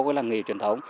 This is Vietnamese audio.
cái là nghề truyền thống